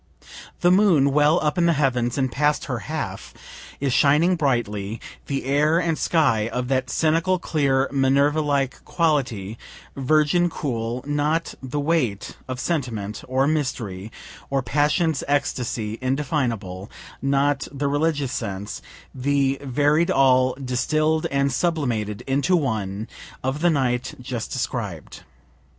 The moon well up in the heavens, and past her half, is shining brightly the air and sky of that cynical clear, Minerva like quality, virgin cool not the weight of sentiment or mystery, or passion's ecstasy indefinable not the religious sense, the varied All, distill'd and sublimated into one, of the night just described.